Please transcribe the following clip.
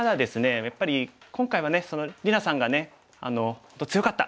やっぱり今回は里菜さんがね本当強かった。